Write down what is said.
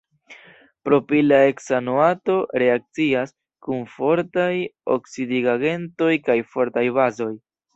Propila heksanoato reakcias kun fortaj oksidigagentoj kaj fortaj bazoj.